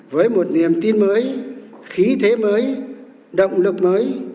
với một niềm tin mới khí thế mới động lực mới